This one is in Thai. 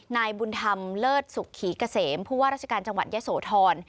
นายบุญธรรมเลิศสุขีเกษมผู้ว่าราชการจังหวัดยะโสธร